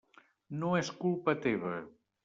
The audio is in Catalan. No és culpa teva.